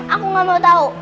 aku gak mau tau